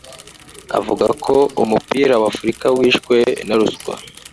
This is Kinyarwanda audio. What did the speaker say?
Avuga ko umupira w’Afurika wishwe na ruswa